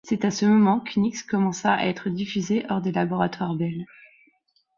C'est à ce moment qu'Unix commença à être diffusé hors des laboratoires Bell.